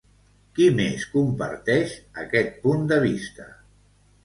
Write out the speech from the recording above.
Qui més comparteix aquest punt de vista?